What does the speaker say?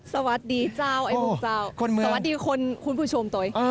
สวัสดีเจ้าสวัสดีคุณผู้ชมต่อย